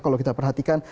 kalau kita perhatikan